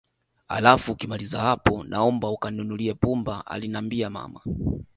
Alafu ukimaliza hapo naomba kaninunulie pumba alinambia mama